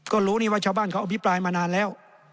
ก็รู้นี่ว่าชาวบ้านเขาอภิปรายมานานแล้ว